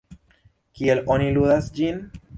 Kiel oni ludas ĝin?